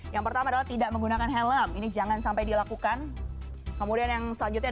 yang pertama adalah tidak menggunakan helm ini jangan sampai dilakukan kemudian yang selanjutnya